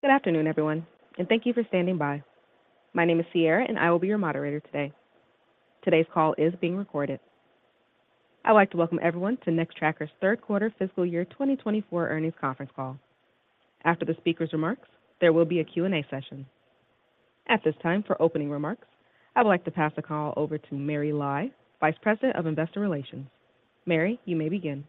Good afternoon, everyone, and thank you for standing by. My name is Sierra, and I will be your moderator today. Today's call is being recorded. I'd like to welcome everyone to Nextracker's third quarter fiscal year 2024 earnings conference call. After the speaker's remarks, there will be a Q&A session. At this time, for opening remarks, I'd like to pass the call over to Mary Lai, Vice President of Investor Relations. Mary, you may begin.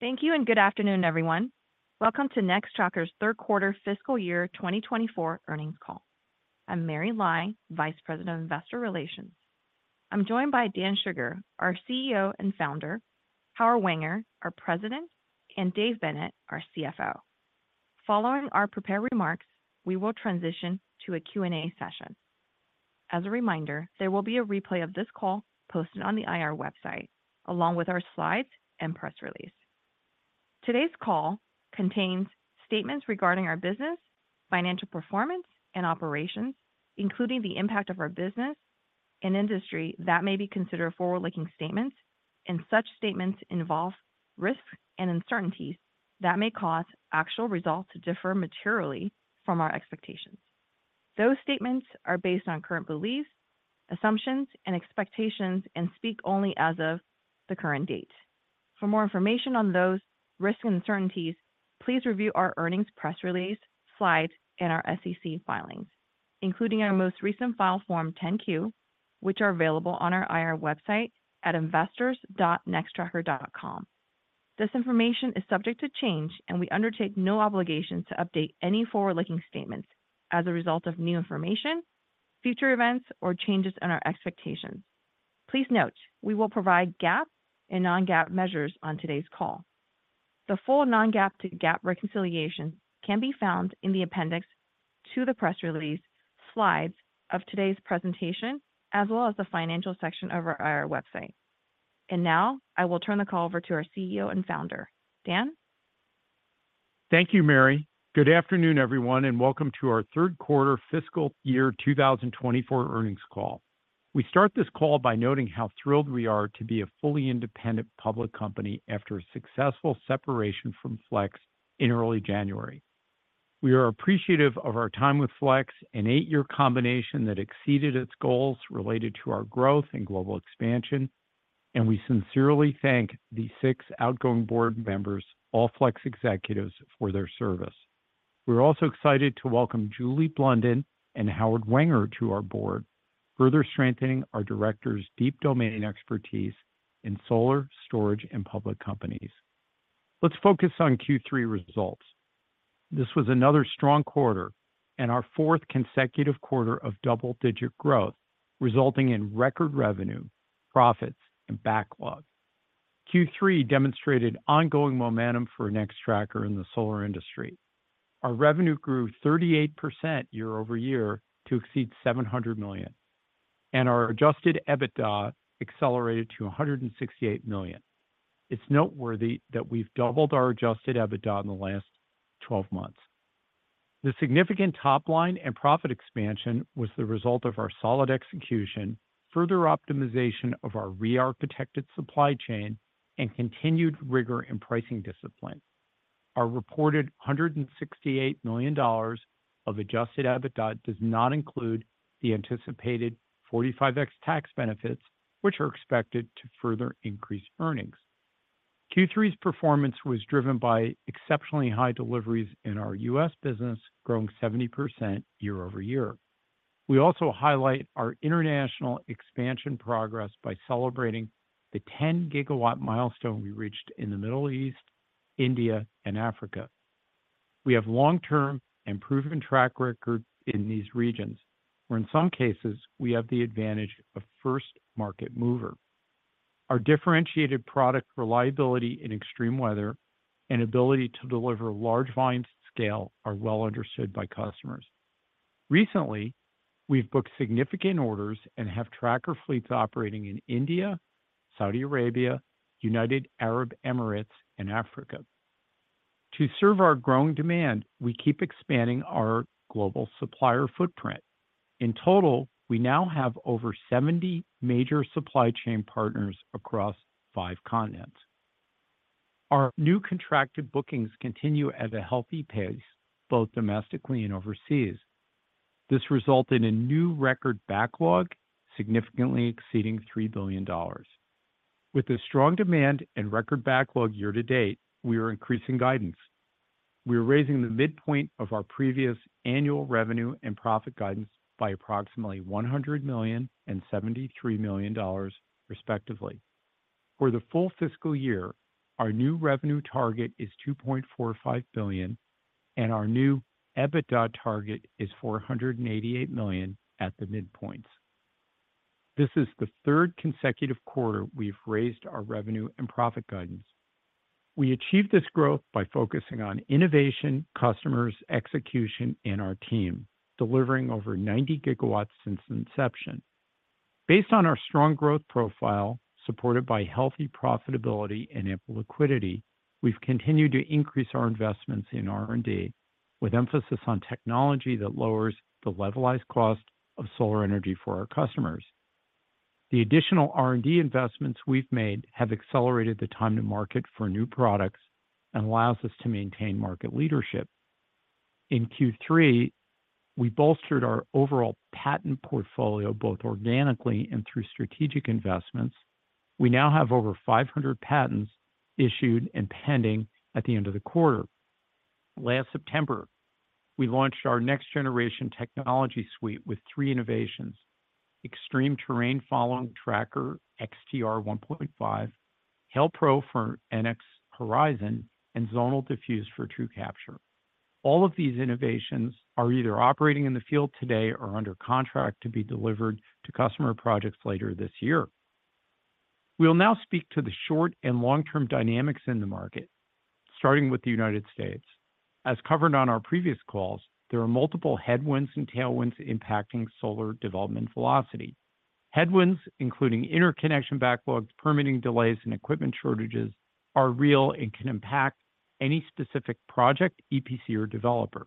Thank you, and good afternoon, everyone. Welcome to Nextracker's third quarter fiscal year 2024 earnings call. I'm Mary Lai, Vice President of Investor Relations. I'm joined by Dan Shugar, our CEO and founder, Howard Wenger, our President, and Dave Bennett, our CFO. Following our prepared remarks, we will transition to a Q&A session. As a reminder, there will be a replay of this call posted on the IR website, along with our slides and press release. Today's call contains statements regarding our business, financial performance, and operations, including the impact of our business and industry, that may be considered forward-looking statements, and such statements involve risks and uncertainties that may cause actual results to differ materially from our expectations. Those statements are based on current beliefs, assumptions, and expectations and speak only as of the current date. For more information on those risks and uncertainties, please review our earnings press release, slides, and our SEC filings, including our most recent filing, Form 10-Q, which are available on our IR website at investors.nextracker.com. This information is subject to change, and we undertake no obligation to update any forward-looking statements as a result of new information, future events, or changes in our expectations. Please note, we will provide GAAP and non-GAAP measures on today's call. The full non-GAAP to GAAP reconciliation can be found in the appendix to the press release slides of today's presentation, as well as the financial section of our IR website. And now, I will turn the call over to our CEO and founder. Dan? Thank you, Mary. Good afternoon, everyone, and welcome to our third quarter fiscal year 2024 earnings call. We start this call by noting how thrilled we are to be a fully independent public company after a successful separation from Flex in early January. We are appreciative of our time with Flex, an eight-year combination that exceeded its goals related to our growth and global expansion, and we sincerely thank the six outgoing board members, all Flex executives, for their service. We're also excited to welcome Julie Blunden and Howard Wenger to our board, further strengthening our directors' deep domain expertise in solar, storage, and public companies. Let's focus on Q3 results. This was another strong quarter and our fourth consecutive quarter of double-digit growth, resulting in record revenue, profits, and backlog. Q3 demonstrated ongoing momentum for Nextracker in the solar industry. Our revenue grew 38% year-over-year to exceed $700 million, and our adjusted EBITDA accelerated to $168 million. It's noteworthy that we've doubled our adjusted EBITDA in the last 12 months. The significant top line and profit expansion was the result of our solid execution, further optimization of our re-architected supply chain, and continued rigor and pricing discipline. Our reported $168 million of adjusted EBITDA does not include the anticipated 45X tax benefits, which are expected to further increase earnings. Q3's performance was driven by exceptionally high deliveries in our U.S. business, growing 70% year-over-year. We also highlight our international expansion progress by celebrating the 10-GW milestone we reached in the Middle East, India, and Africa. We have long-term and proven track record in these regions, where in some cases we have the advantage of first-market mover. Our differentiated product reliability in extreme weather and ability to deliver large volumes at scale are well understood by customers. Recently, we've booked significant orders and have tracker fleets operating in India, Saudi Arabia, United Arab Emirates, and Africa. To serve our growing demand, we keep expanding our global supplier footprint. In total, we now have over 70 major supply chain partners across five continents. Our new contracted bookings continue at a healthy pace, both domestically and overseas. This resulted in a new record backlog, significantly exceeding $3 billion. With the strong demand and record backlog year to date, we are increasing guidance. We are raising the midpoint of our previous annual revenue and profit guidance by approximately $100 million and $73 million, respectively. For the full fiscal year, our new revenue target is $2.45 billion, and our new EBITDA target is $488 million at the midpoints. This is the third consecutive quarter we've raised our revenue and profit guidance. We achieved this growth by focusing on innovation, customers, execution, and our team, delivering over 90 GW since inception. Based on our strong growth profile, supported by healthy profitability and ample liquidity, we've continued to increase our investments in R&D, with emphasis on technology that lowers the levelized cost of solar energy for our customers. The additional R&D investments we've made have accelerated the time to market for new products and allows us to maintain market leadership. In Q3, we bolstered our overall patent portfolio, both organically and through strategic investments. We now have over 500 patents issued and pending at the end of the quarter. Last September, we launched our next generation technology suite with three innovations: Extreme Terrain Following Tracker XTR 1.5, Hail Pro for NX Horizon, and Zonal Diffuse for TrueCapture. All of these innovations are either operating in the field today or under contract to be delivered to customer projects later this year. We'll now speak to the short and long-term dynamics in the market, starting with the United States. As covered on our previous calls, there are multiple headwinds and tailwinds impacting solar development velocity. Headwinds, including interconnection backlogs, permitting delays, and equipment shortages, are real and can impact any specific project, EPC, or developer.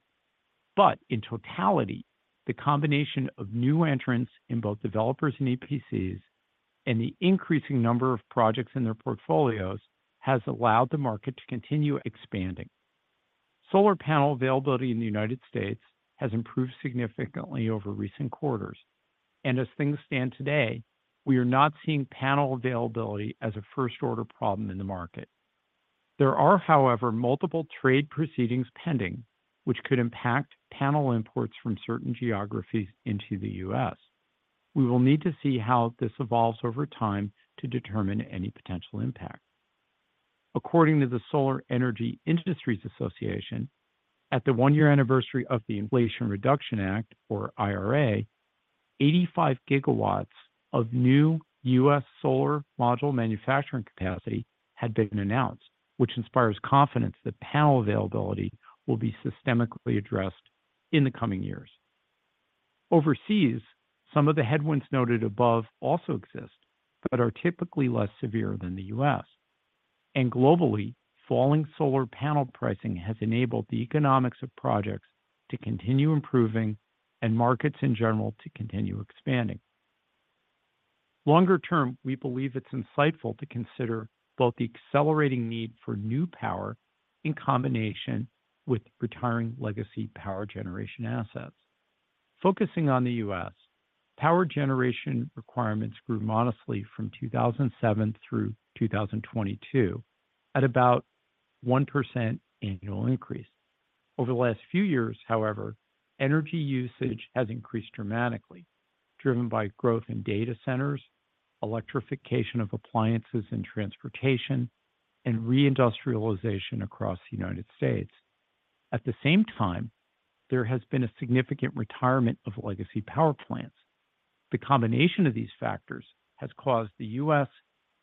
But in totality, the combination of new entrants in both developers and EPCs, and the increasing number of projects in their portfolios, has allowed the market to continue expanding. Solar panel availability in the United States has improved significantly over recent quarters, and as things stand today, we are not seeing panel availability as a first-order problem in the market. There are, however, multiple trade proceedings pending, which could impact panel imports from certain geographies into the U.S. We will need to see how this evolves over time to determine any potential impact. According to the Solar Energy Industries Association, at the one-year anniversary of the Inflation Reduction Act, or IRA, 85 GW of new U.S. solar module manufacturing capacity had been announced, which inspires confidence that panel availability will be systemically addressed in the coming years. Overseas, some of the headwinds noted above also exist, but are typically less severe than the U.S. Globally, falling solar panel pricing has enabled the economics of projects to continue improving and markets in general to continue expanding. Longer term, we believe it's insightful to consider both the accelerating need for new power in combination with retiring legacy power generation assets. Focusing on the U.S., power generation requirements grew modestly from 2007 through 2022 at about 1% annual increase. Over the last few years, however, energy usage has increased dramatically, driven by growth in data centers, electrification of appliances and transportation, and re-industrialization across the United States. At the same time, there has been a significant retirement of legacy power plants. The combination of these factors has caused the U.S.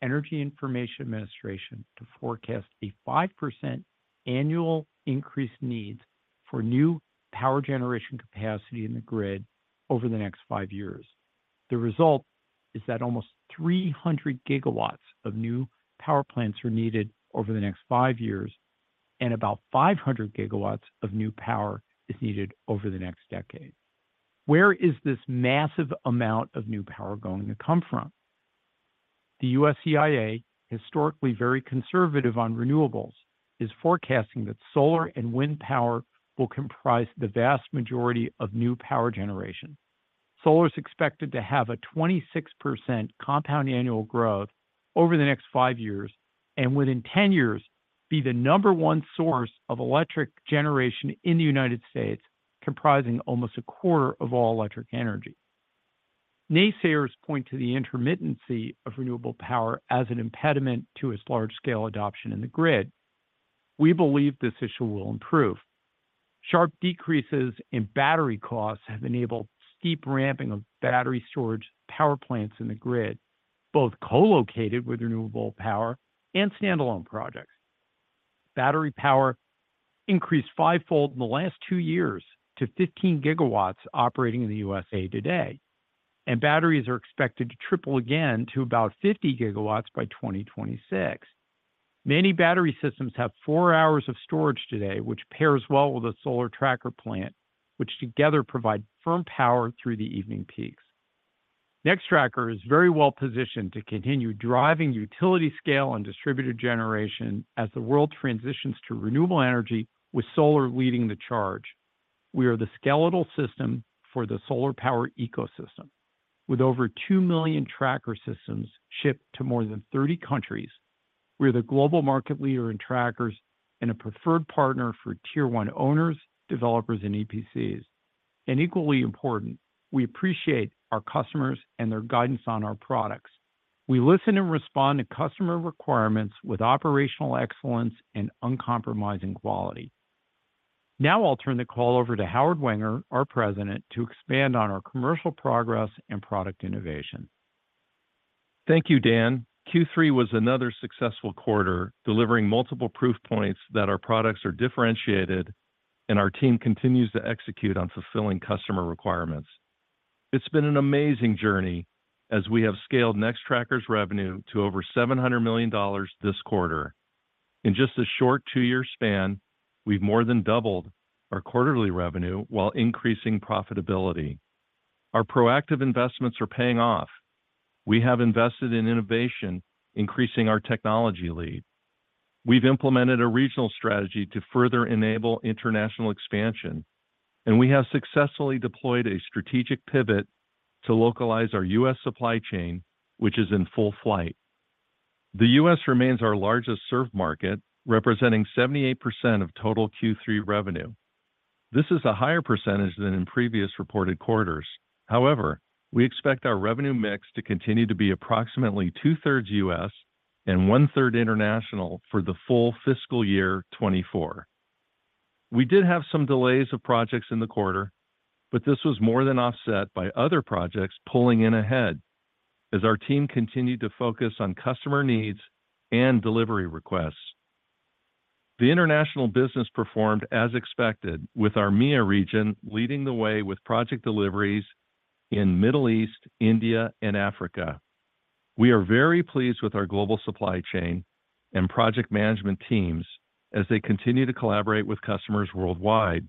Energy Information Administration to forecast a 5% annual increase need for new power generation capacity in the grid over the next five years. The result is that almost 300 GW of new power plants are needed over the next five years, and about 500 GW of new power is needed over the next decade. Where is this massive amount of new power going to come from? The U.S. EIA, historically very conservative on renewables, is forecasting that solar and wind power will comprise the vast majority of new power generation. Solar is expected to have a 26% compound annual growth over the next five years, and within 10 years, be the number one source of electric generation in the United States, comprising almost a quarter of all electric energy. Naysayers point to the intermittency of renewable power as an impediment to its large-scale adoption in the grid. We believe this issue will improve. Sharp decreases in battery costs have enabled steep ramping of battery storage power plants in the grid, both co-located with renewable power and standalone projects. Battery power increased five-fold in the last two years to 15 GW operating in the U.S.A. today, and batteries are expected to triple again to about 50 GW by 2026. Many battery systems have four hours of storage today, which pairs well with a solar tracker plant, which together provide firm power through the evening peaks. Nextracker is very well positioned to continue driving utility scale and distributed generation as the world transitions to renewable energy, with solar leading the charge. We are the skeletal system for the solar power ecosystem. With over 2 million tracker systems shipped to more than 30 countries, we are the global market leader in trackers and a preferred partner for tier one owners, developers, and EPCs. Equally important, we appreciate our customers and their guidance on our products. We listen and respond to customer requirements with operational excellence and uncompromising quality. Now I'll turn the call over to Howard Wenger, our President, to expand on our commercial progress and product innovation. Thank you, Dan. Q3 was another successful quarter, delivering multiple proof points that our products are differentiated and our team continues to execute on fulfilling customer requirements. It's been an amazing journey as we have scaled Nextracker's revenue to over $700 million this quarter. In just a short 2-year span, we've more than doubled our quarterly revenue while increasing profitability. Our proactive investments are paying off. We have invested in innovation, increasing our technology lead. We've implemented a regional strategy to further enable international expansion, and we have successfully deployed a strategic pivot to localize our U.S. supply chain, which is in full flight. The U.S. remains our largest served market, representing 78% of total Q3 revenue. This is a higher percentage than in previous reported quarters. However, we expect our revenue mix to continue to be approximately two-thirds U.S. and one-third international for the full fiscal year 2024. We did have some delays of projects in the quarter, but this was more than offset by other projects pulling in ahead as our team continued to focus on customer needs and delivery requests. The international business performed as expected, with our MEIA region leading the way with project deliveries in Middle East, India, and Africa. We are very pleased with our global supply chain and project management teams as they continue to collaborate with customers worldwide.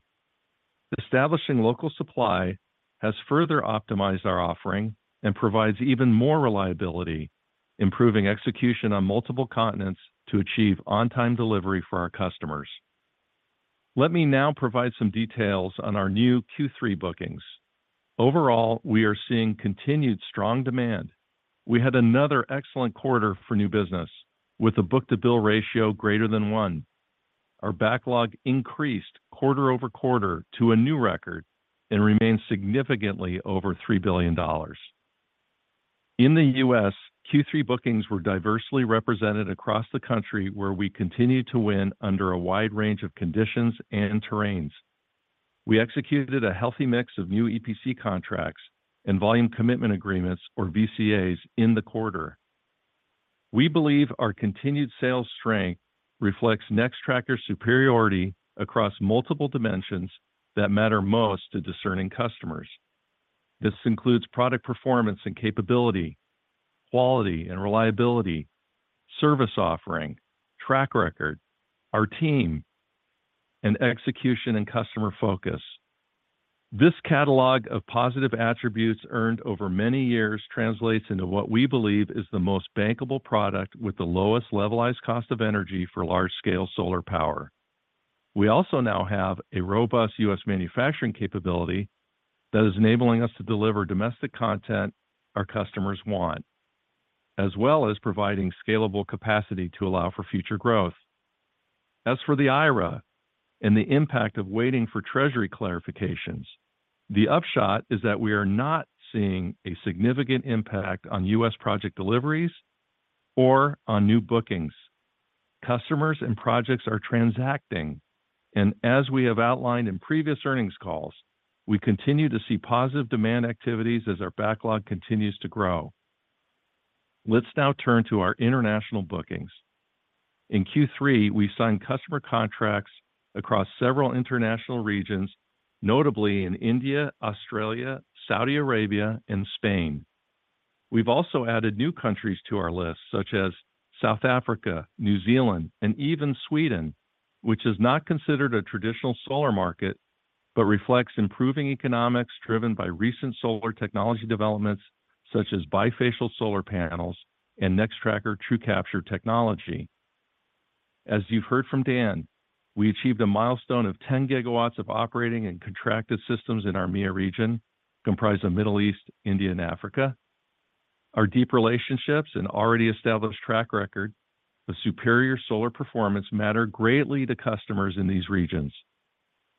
Establishing local supply has further optimized our offering and provides even more reliability, improving execution on multiple continents to achieve on-time delivery for our customers. Let me now provide some details on our new Q3 bookings. Overall, we are seeing continued strong demand. We had another excellent quarter for new business with a book-to-bill ratio greater than one. Our backlog increased quarter-over-quarter to a new record and remains significantly over $3 billion. In the U.S., Q3 bookings were diversely represented across the country, where we continued to win under a wide range of conditions and terrains. We executed a healthy mix of new EPC contracts and volume commitment agreements, or VCAs, in the quarter. We believe our continued sales strength reflects Nextracker's superiority across multiple dimensions that matter most to discerning customers. This includes product performance and capability, quality and reliability, service offering, track record, our team, and execution and customer focus. This catalog of positive attributes earned over many years translates into what we believe is the most bankable product with the lowest levelized cost of energy for large-scale solar power. We also now have a robust U.S. manufacturing capability that is enabling us to deliver domestic content our customers want, as well as providing scalable capacity to allow for future growth. As for the IRA and the impact of waiting for Treasury clarifications, the upshot is that we are not seeing a significant impact on U.S. project deliveries or on new bookings. Customers and projects are transacting, and as we have outlined in previous earnings calls, we continue to see positive demand activities as our backlog continues to grow. Let's now turn to our international bookings. In Q3, we signed customer contracts across several international regions, notably in India, Australia, Saudi Arabia, and Spain. We've also added new countries to our list, such as South Africa, New Zealand, and even Sweden, which is not considered a traditional solar market, but reflects improving economics driven by recent solar technology developments such as bifacial solar panels and Nextracker TrueCapture technology. As you heard from Dan, we achieved a milestone of 10 GW of operating and contracted systems in our MEIA region, comprised of Middle East, India, and Africa. Our deep relationships and already established track record of superior solar performance matter greatly to customers in these regions.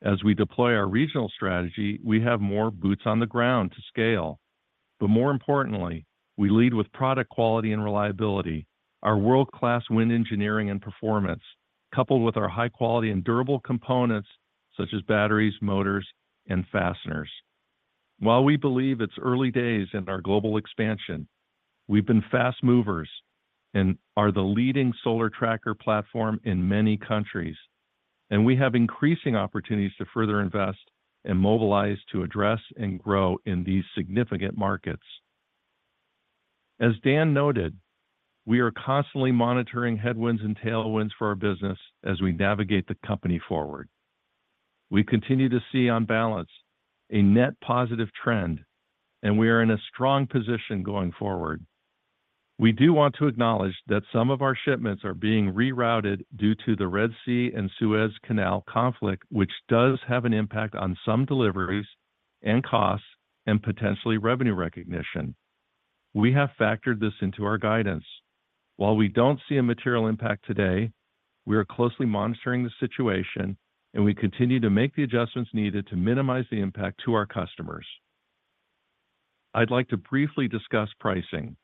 As we deploy our regional strategy, we have more boots on the ground to scale. But more importantly, we lead with product quality and reliability, our world-class wind engineering and performance, coupled with our high quality and durable components such as batteries, motors, and fasteners. While we believe it's early days in our global expansion, we've been fast movers and are the leading solar tracker platform in many countries, and we have increasing opportunities to further invest and mobilize to address and grow in these significant markets. As Dan noted, we are constantly monitoring headwinds and tailwinds for our business as we navigate the company forward. We continue to see, on balance, a net positive trend, and we are in a strong position going forward. We do want to acknowledge that some of our shipments are being rerouted due to the Red Sea and Suez Canal conflict, which does have an impact on some deliveries and costs and potentially revenue recognition. We have factored this into our guidance. While we don't see a material impact today, we are closely monitoring the situation, and we continue to make the adjustments needed to minimize the impact to our customers. I'd like to briefly discuss pricing.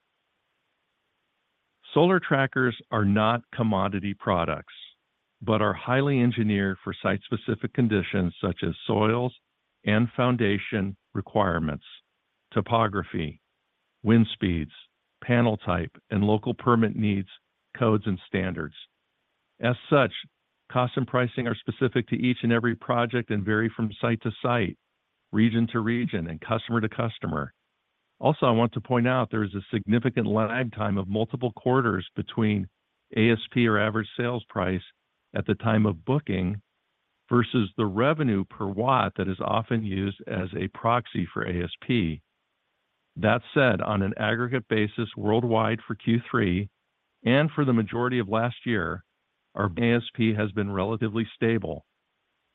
Solar trackers are not commodity products, but are highly engineered for site-specific conditions such as soils and foundation requirements, topography, wind speeds, panel type, and local permit needs, codes, and standards. As such, costs and pricing are specific to each and every project and vary from site to site, region to region, and customer to customer. Also, I want to point out there is a significant lag time of multiple quarters between ASP or average sales price at the time of booking, versus the revenue per watt that is often used as a proxy for ASP. That said, on an aggregate basis worldwide for Q3 and for the majority of last year, our ASP has been relatively stable.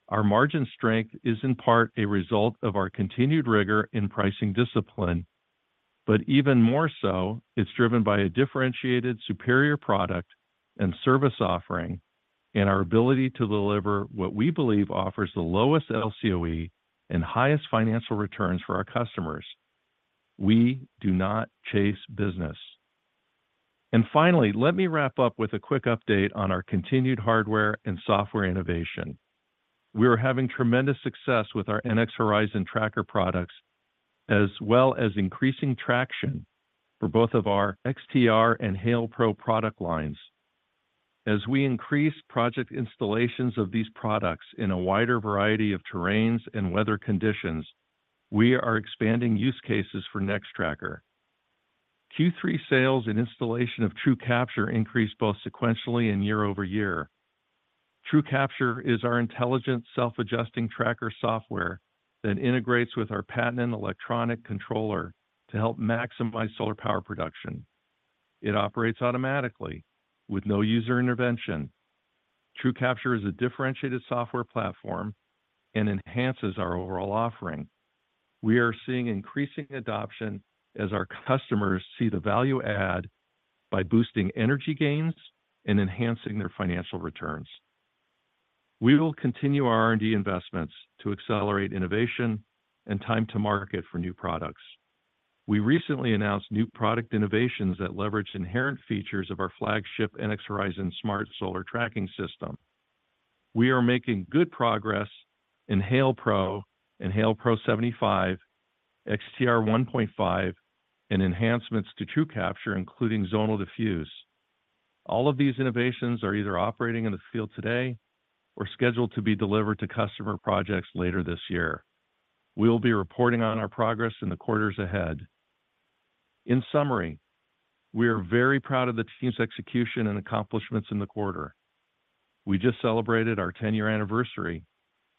Our margin strength is in part a result of our continued rigor in pricing discipline, but even more so, it's driven by a differentiated, superior product and service offering, and our ability to deliver what we believe offers the lowest LCOE and highest financial returns for our customers. We do not chase business. Finally, let me wrap up with a quick update on our continued hardware and software innovation. We are having tremendous success with our NX Horizon Tracker products, as well as increasing traction for both of our XTR and Hail Pro product lines. As we increase project installations of these products in a wider variety of terrains and weather conditions, we are expanding use cases for Nextracker. Q3 sales and installation of TrueCapture increased both sequentially and year-over-year. TrueCapture is our intelligent, self-adjusting tracker software that integrates with our patented electronic controller to help maximize solar power production. It operates automatically with no user intervention. TrueCapture is a differentiated software platform and enhances our overall offering. We are seeing increasing adoption as our customers see the value add by boosting energy gains and enhancing their financial returns. We will continue our R&D investments to accelerate innovation and time to market for new products. We recently announced new product innovations that leverage inherent features of our flagship NX Horizon Smart Solar Tracking System. We are making good progress in Hail Pro and Hail Pro 75, XTR 1.5, and enhancements to TrueCapture, including Zonal Diffuse. All of these innovations are either operating in the field today or scheduled to be delivered to customer projects later this year. We will be reporting on our progress in the quarters ahead. In summary, we are very proud of the team's execution and accomplishments in the quarter. We just celebrated our 10-year anniversary,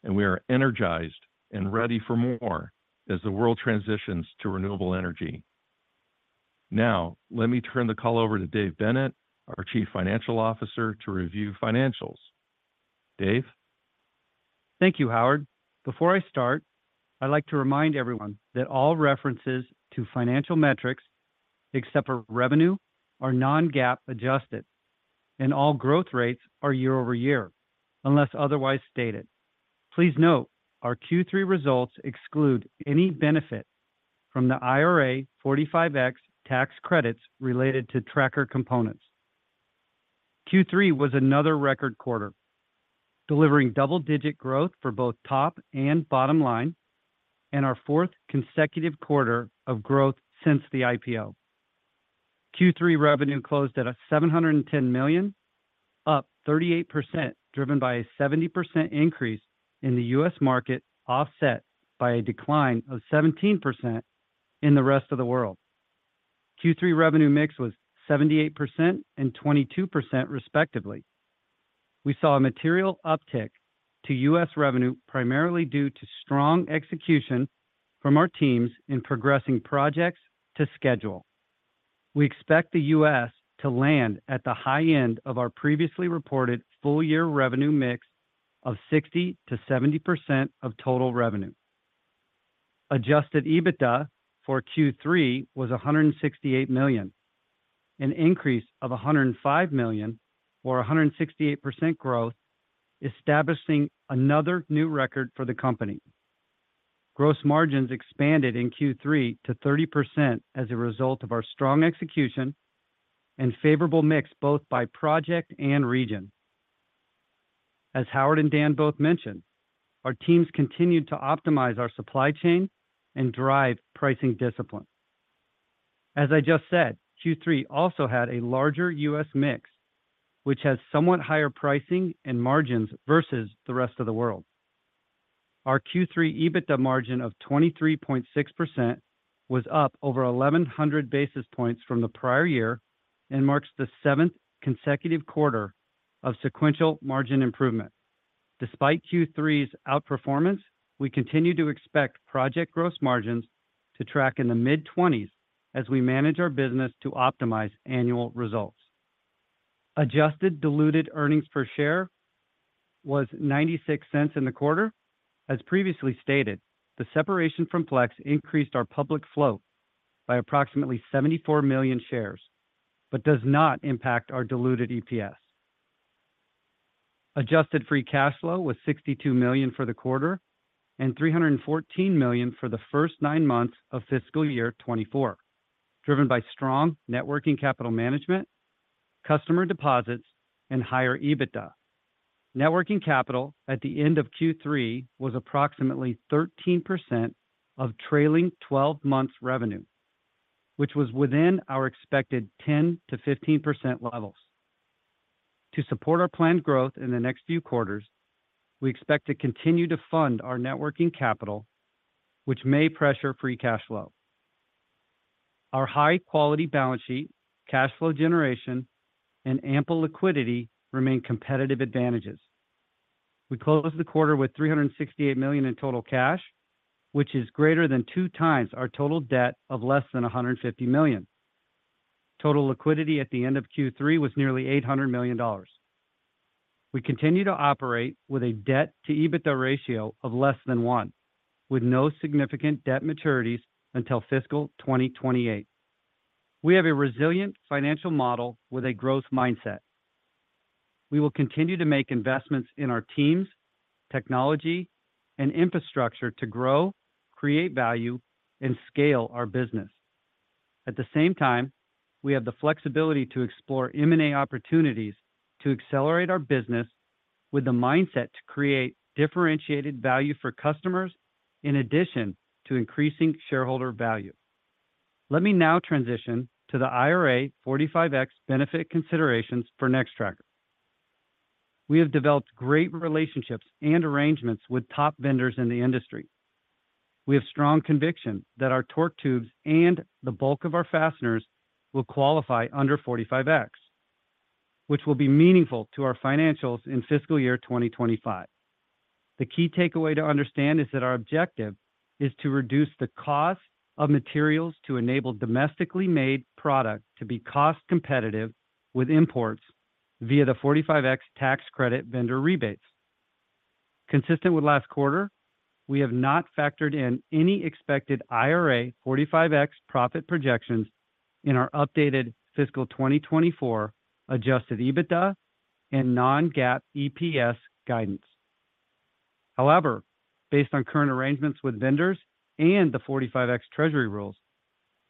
and we are energized and ready for more as the world transitions to renewable energy. Now, let me turn the call over to Dave Bennett, our Chief Financial Officer, to review financials. Dave? Thank you, Howard. Before I start, I'd like to remind everyone that all references to financial metrics, except for revenue, are non-GAAP adjusted, and all growth rates are year-over-year, unless otherwise stated. Please note, our Q3 results exclude any benefit from the IRA 45X tax credits related to tracker components. Q3 was another record quarter, delivering double-digit growth for both top and bottom line, and our fourth consecutive quarter of growth since the IPO. Q3 revenue closed at $710 million, up 38%, driven by a 70% increase in the U.S. market, offset by a decline of 17% in the rest of the world. Q3 revenue mix was 78% and 22%, respectively. We saw a material uptick to U.S. revenue, primarily due to strong execution from our teams in progressing projects to schedule. We expect the U.S. to land at the high end of our previously reported full year revenue mix of 60%-70% of total revenue. Adjusted EBITDA for Q3 was $168 million, an increase of $105 million or 168% growth, establishing another new record for the company. Gross margins expanded in Q3 to 30% as a result of our strong execution and favorable mix, both by project and region. As Howard and Dan both mentioned, our teams continued to optimize our supply chain and drive pricing discipline. As I just said, Q3 also had a larger U.S. mix, which has somewhat higher pricing and margins versus the rest of the world. Our Q3 EBITDA margin of 23.6% was up over 1,100 basis points from the prior year and marks the 7th consecutive quarter of sequential margin improvement. Despite Q3's outperformance, we continue to expect project gross margins to track in the mid-20s as we manage our business to optimize annual results. Adjusted diluted earnings per share was $0.96 in the quarter. As previously stated, the separation from Flex increased our public float by approximately 74 million shares, but does not impact our diluted EPS. Adjusted free cash flow was $62 million for the quarter and $314 million for the first nine months of fiscal year 2024, driven by strong working capital management, customer deposits, and higher EBITDA. working capital at the end of Q3 was approximately 13% of trailing 12 months revenue, which was within our expected 10%-15% levels. To support our planned growth in the next few quarters, we expect to continue to fund our net working capital, which may pressure free cash flow. Our high-quality balance sheet, cash flow generation, and ample liquidity remain competitive advantages. We closed the quarter with $368 million in total cash, which is greater than 2 times our total debt of less than $150 million. Total liquidity at the end of Q3 was nearly $800 million. We continue to operate with a debt-to-EBITDA ratio of less than 1, with no significant debt maturities until fiscal 2028. We have a resilient financial model with a growth mindset. We will continue to make investments in our teams, technology, and infrastructure to grow, create value, and scale our business. At the same time, we have the flexibility to explore M&A opportunities to accelerate our business with the mindset to create differentiated value for customers in addition to increasing shareholder value. Let me now transition to the IRA 45X benefit considerations for Nextracker. We have developed great relationships and arrangements with top vendors in the industry. We have strong conviction that our torque tubes and the bulk of our fasteners will qualify under 45X, which will be meaningful to our financials in fiscal year 2025. The key takeaway to understand is that our objective is to reduce the cost of materials to enable domestically made product to be cost-competitive with imports via the 45X tax credit vendor rebates. Consistent with last quarter, we have not factored in any expected IRA 45X profit projections in our updated fiscal 2024 adjusted EBITDA and non-GAAP EPS guidance. However, based on current arrangements with vendors and the 45X treasury rules,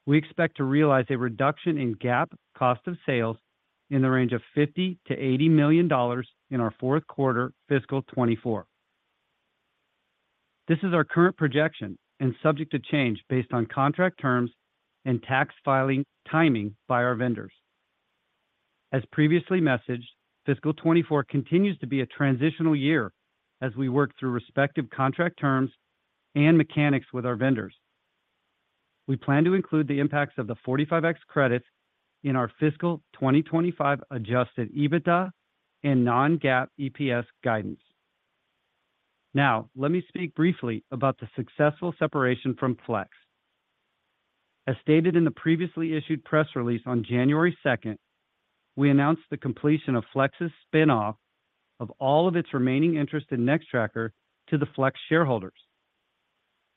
we expect to realize a reduction in GAAP cost of sales in the range of $50-$80 million in our fourth quarter fiscal 2024. This is our current projection and subject to change based on contract terms and tax filing timing by our vendors. As previously messaged, fiscal 2024 continues to be a transitional year as we work through respective contract terms and mechanics with our vendors. We plan to include the impacts of the 45X credits in our fiscal 2025 adjusted EBITDA and non-GAAP EPS guidance. Now, let me speak briefly about the successful separation from Flex. As stated in the previously issued press release on January 2nd, we announced the completion of Flex's spin-off of all of its remaining interest in Nextracker to the Flex shareholders.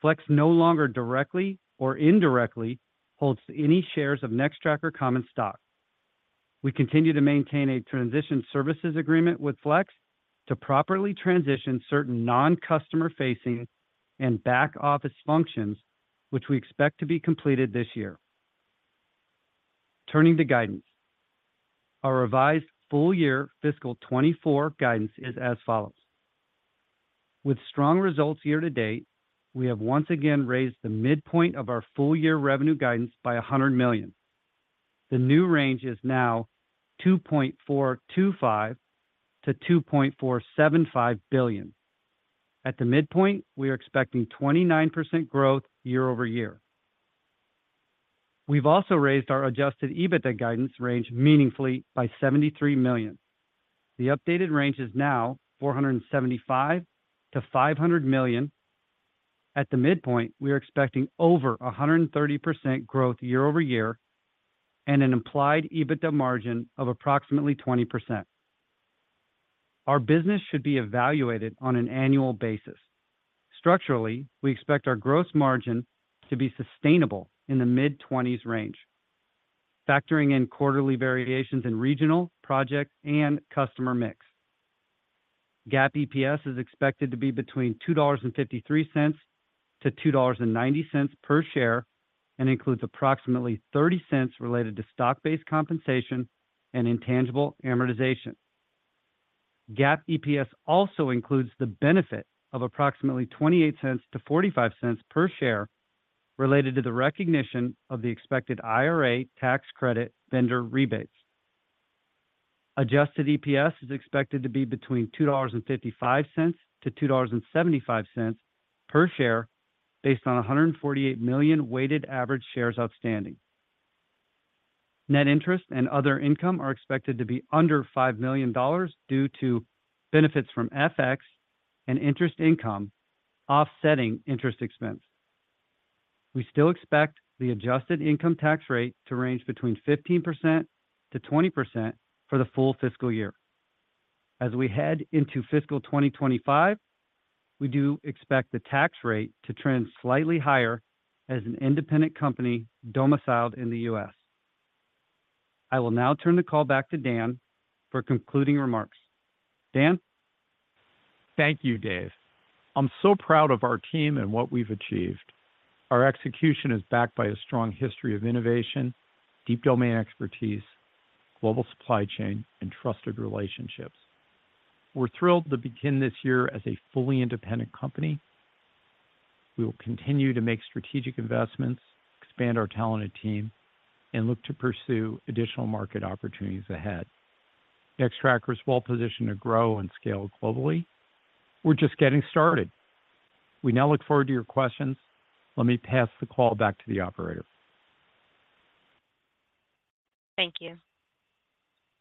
Flex no longer directly or indirectly holds any shares of Nextracker common stock. We continue to maintain a transition services agreement with Flex to properly transition certain non-customer-facing and back-office functions, which we expect to be completed this year. Turning to guidance. Our revised full year fiscal 2024 guidance is as follows: with strong results year to date, we have once again raised the midpoint of our full-year revenue guidance by $100 million. The new range is now $2.425 billion-$2.475 billion. At the midpoint, we are expecting 29% growth year-over-year. We've also raised our adjusted EBITDA guidance range meaningfully by $73 million. The updated range is now $475 million-$500 million. At the midpoint, we are expecting over 130% growth year-over-year and an implied EBITDA margin of approximately 20%. Our business should be evaluated on an annual basis. Structurally, we expect our gross margin to be sustainable in the mid-20s range, factoring in quarterly variations in regional, project, and customer mix. GAAP EPS is expected to be between $2.53-$2.90 per share and includes approximately $0.30 related to stock-based compensation and intangible amortization. GAAP EPS also includes the benefit of approximately $0.28-$0.45 per share related to the recognition of the expected IRA tax credit vendor rebates. Adjusted EPS is expected to be between $2.55-$2.75 per share, based on 148 million weighted average shares outstanding. Net interest and other income are expected to be under $5 million due to benefits from FX and interest income offsetting interest expense. We still expect the adjusted income tax rate to range between 15%-20% for the full fiscal year. As we head into fiscal 2025, we do expect the tax rate to trend slightly higher as an independent company domiciled in the U.S. I will now turn the call back to Dan for concluding remarks. Dan? Thank you, Dave. I'm so proud of our team and what we've achieved. Our execution is backed by a strong history of innovation, deep domain expertise, global supply chain, and trusted relationships. We're thrilled to begin this year as a fully independent company.... We will continue to make strategic investments, expand our talented team, and look to pursue additional market opportunities ahead. Nextracker is well positioned to grow and scale globally. We're just getting started. We now look forward to your questions. Let me pass the call back to the operator. Thank you.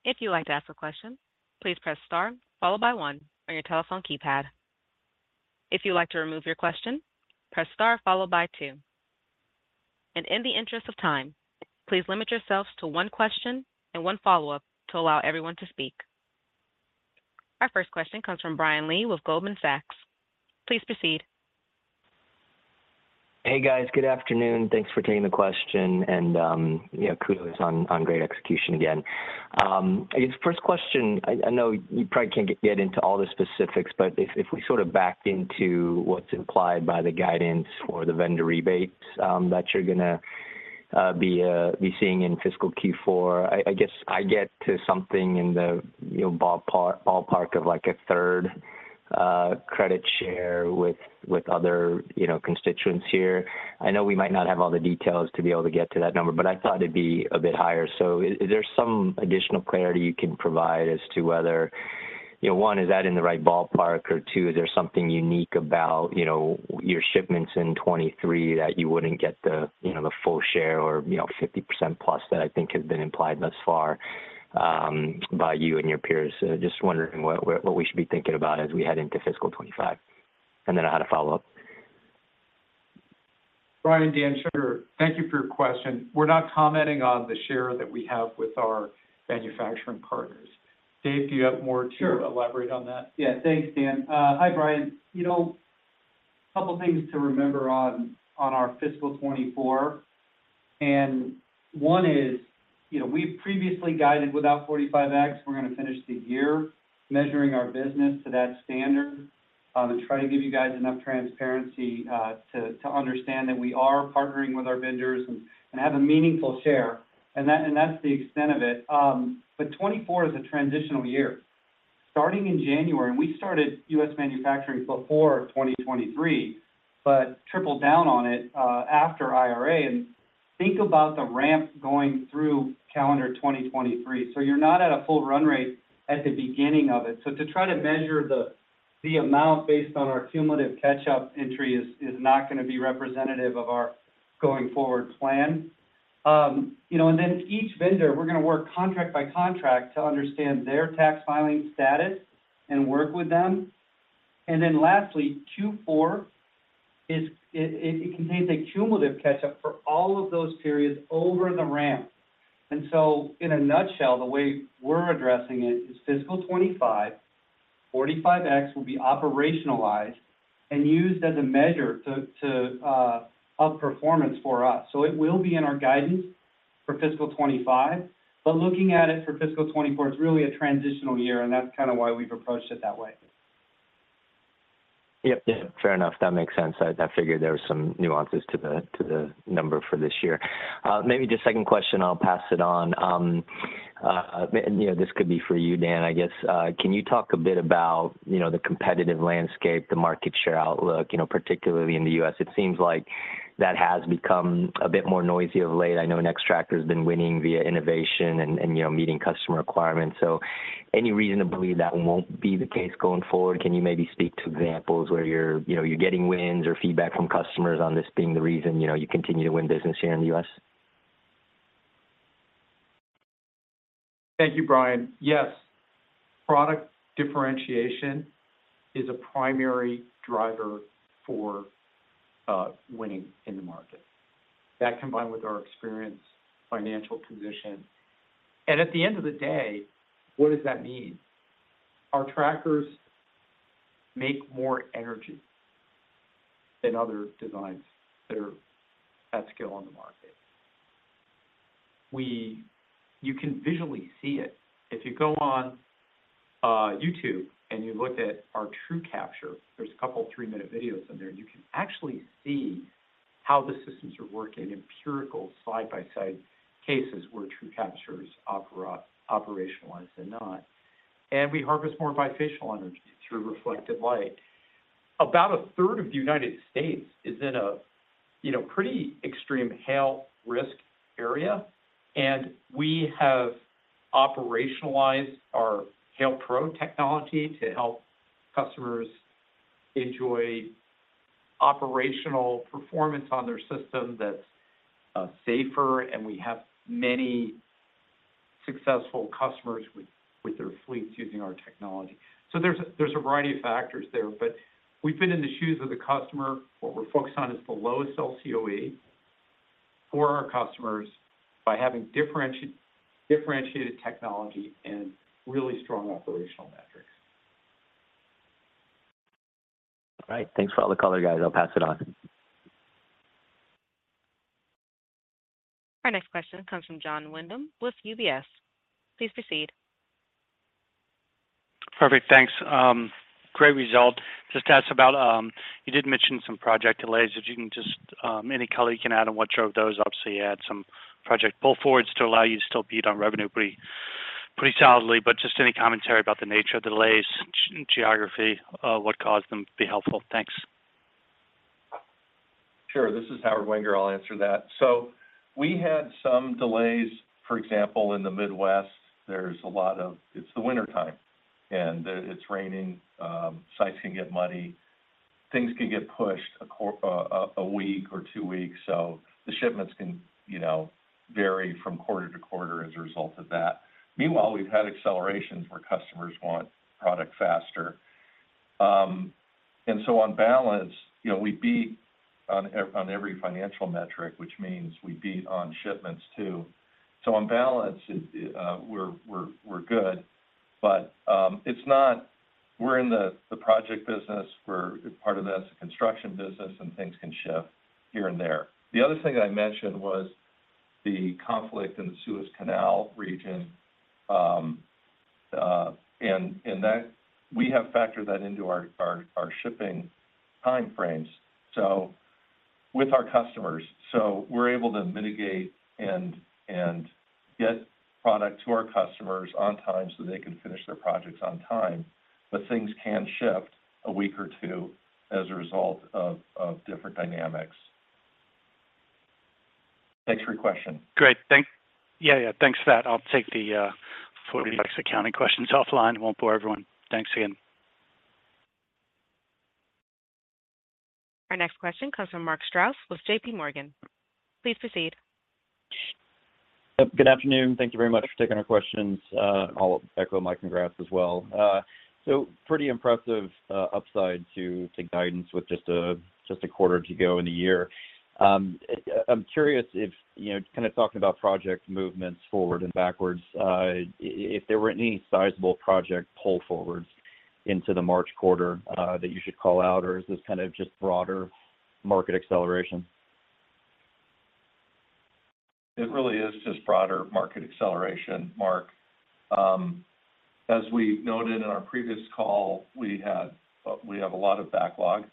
If you'd like to ask a question, please press star followed by one on your telephone keypad. If you'd like to remove your question, press star followed by two. In the interest of time, please limit yourselves to one question and one follow-up to allow everyone to speak. Our first question comes from Brian Lee with Goldman Sachs. Please proceed. Hey, guys. Good afternoon. Thanks for taking the question, and yeah, kudos on great execution again. I guess first question, I know you probably can't get into all the specifics, but if we sort of backed into what's implied by the guidance or the vendor rebates that you're gonna be seeing in fiscal Q4, I guess I get to something in the, you know, ballpark of, like, a third credit share with other, you know, constituents here. I know we might not have all the details to be able to get to that number, but I thought it'd be a bit higher. So is there some additional clarity you can provide as to whether, you know, one, is that in the right ballpark? Or two, is there something unique about, you know, your shipments in 2023 that you wouldn't get the, you know, the full share or, you know, 50% plus that I think has been implied thus far, by you and your peers? Just wondering what, what, what we should be thinking about as we head into fiscal 2025. And then I had a follow-up. Brian, Dan, sure. Thank you for your question. We're not commenting on the share that we have with our manufacturing partners. Dave, do you have more to elaborate on that? Yeah. Thanks, Dan. Hi, Brian. You know, a couple of things to remember on our fiscal 2024, and one is, you know, we've previously guided without 45X. We're going to finish the year measuring our business to that standard, and try to give you guys enough transparency to understand that we are partnering with our vendors and have a meaningful share, and that's the extent of it. But 2024 is a transitional year. Starting in January, we started U.S. manufacturing before 2023, but tripled down on it after IRA. And think about the ramp going through calendar 2023. So you're not at a full run rate at the beginning of it. So to try to measure the amount based on our cumulative catch-up entry is not going to be representative of our going forward plan. You know, and then each vendor, we're going to work contract by contract to understand their tax filing status and work with them. And then lastly, Q4 is. It contains a cumulative catch-up for all of those periods over the ramp. And so in a nutshell, the way we're addressing it is fiscal 25, 45X will be operationalized and used as a measure to up performance for us. So it will be in our guidance for fiscal 25, but looking at it for fiscal 24, it's really a transitional year, and that's kind of why we've approached it that way. Yep. Yeah, fair enough. That makes sense. I figured there were some nuances to the number for this year. Maybe just second question, I'll pass it on. You know, this could be for you, Dan, I guess. Can you talk a bit about, you know, the competitive landscape, the market share outlook, you know, particularly in the U.S.? It seems like that has become a bit more noisy of late. I know Nextracker has been winning via innovation and, you know, meeting customer requirements. So any reason to believe that won't be the case going forward? Can you maybe speak to examples where you're, you know, you're getting wins or feedback from customers on this being the reason, you know, you continue to win business here in the U.S.? Thank you, Brian. Yes, product differentiation is a primary driver for winning in the market. That combined with our experience, financial condition. And at the end of the day, what does that mean? Our trackers make more energy than other designs that are at scale on the market. We. You can visually see it. If you go on YouTube and you look at our TrueCapture, there's a couple of three-minute videos in there. You can actually see how the systems are working, empirical side-by-side cases where TrueCapture is operationalized and not. And we harvest more bifacial energy through reflected light. About a third of the United States is in a, you know, pretty extreme hail risk area, and we have operationalized our Hail Pro technology to help customers enjoy operational performance on their system that's safer, and we have many successful customers with their fleets using our technology. So there's a variety of factors there, but we've been in the shoes of the customer. What we're focused on is the lowest LCOE for our customers by having differentiated technology and really strong operational metrics. All right. Thanks for all the color, guys. I'll pass it on. Our next question comes from Jon Windham with UBS. Please proceed. Perfect. Thanks. Great result. Just to ask about, you did mention some project delays. If you can just, any color you can add on what drove those? Obviously, you had some project pull forwards to allow you to still beat on revenue pretty solidly, but just any commentary about the nature of the delays, geography, what caused them, would be helpful. Thanks. Sure. This is Howard Wenger. I'll answer that. So we had some delays, for example, in the Midwest. There's a lot of. It's the wintertime, and it's raining, sites can get muddy, things can get pushed a week or two weeks, so the shipments can, you know, vary from quarter to quarter as a result of that. Meanwhile, we've had accelerations where customers want product faster. And so on balance, you know, we beat on every financial metric, which means we beat on shipments, too. So on balance, it, we're good, but it's not. We're in the project business. Part of that is the construction business, and things can shift here and there. The other thing that I mentioned was the conflict in the Suez Canal region, and that we have factored that into our shipping time frames, so with our customers. So we're able to mitigate and get product to our customers on time so they can finish their projects on time, but things can shift a week or two as a result of different dynamics. Thanks for your question. Great. Yeah, yeah, thanks for that. I'll take the $40 accounting questions offline. Won't bore everyone. Thanks again. Our next question comes from Mark Strouse with JPMorgan. Please proceed. Good afternoon. Thank you very much for taking our questions. I'll echo my congrats as well. So pretty impressive, upside to guidance with just a quarter to go in the year. I'm curious if, you know, kind of talking about project movements forward and backwards, if there were any sizable project pull forwards into the March quarter, that you should call out, or is this kind of just broader market acceleration? It really is just broader market acceleration, Mark. As we noted in our previous call, we have a lot of backlog.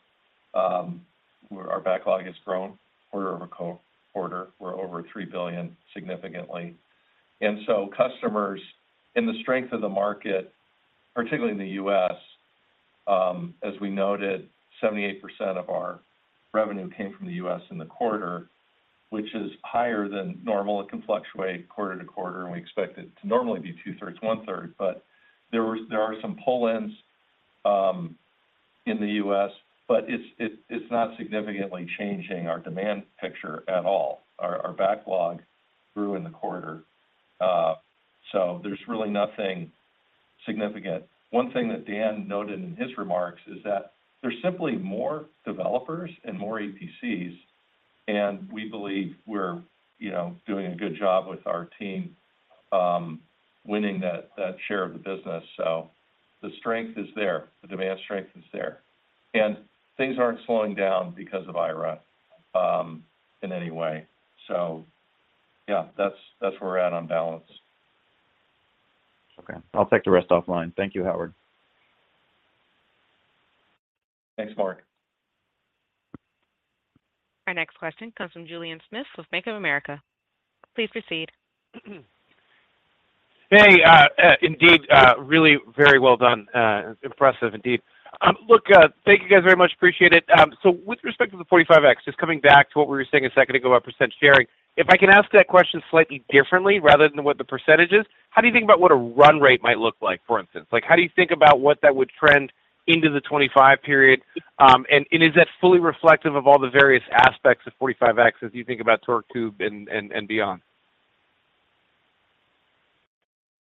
Where our backlog has grown quarter-over-quarter. We're over $3 billion, significantly. And so customers and the strength of the market, particularly in the U.S., as we noted, 78% of our revenue came from the U.S. in the quarter, which is higher than normal. It can fluctuate quarter to quarter, and we expect it to normally be two-thirds, one-third. But there are some pull-ins in the U.S., but it's not significantly changing our demand picture at all. Our backlog grew in the quarter, so there's really nothing significant. One thing that Dan noted in his remarks is that there's simply more developers and more EPCs, and we believe we're, you know, doing a good job with our team, winning that, that share of the business. So the strength is there, the demand strength is there, and things aren't slowing down because of IRA, in any way. So yeah, that's, that's where we're at on balance. Okay. I'll take the rest offline. Thank you, Howard. Thanks, Mark. Our next question comes from Julien Smith with Bank of America. Please proceed. Hey, indeed, really very well done. Impressive indeed. Look, thank you, guys, very much. Appreciate it. So with respect to the 45X, just coming back to what we were saying a second ago about percent sharing, if I can ask that question slightly differently, rather than what the percentage is, how do you think about what a run rate might look like, for instance? Like, how do you think about what that would trend into the 2025 period? And is that fully reflective of all the various aspects of 45X as you think about torque tube and beyond?